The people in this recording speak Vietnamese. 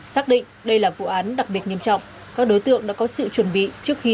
xác định đây là vụ án đặc biệt nghiêm trọng các đối tượng đã có sự chuẩn bị trước khi